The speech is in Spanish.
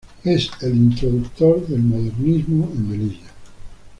Es el introductor del modernismo en Melilla.